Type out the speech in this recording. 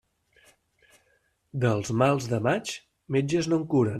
Dels mals de maig, metges no en curen.